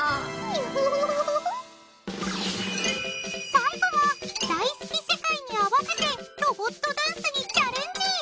最後は『ダイスキセカイ』に合わせてロボットダンスにチャレンジ。